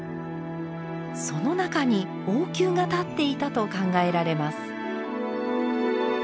その中に王宮が立っていたと考えられます。